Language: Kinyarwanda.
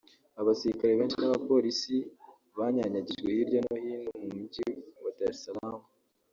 abasirikare benshi n’abapolisi banyanyagijwe hirya no hino mu mujyi wa Dar es Salaam